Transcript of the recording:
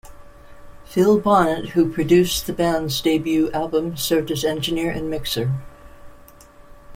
Phil Bonnet, who produced the band's debut album, served as engineer and mixer.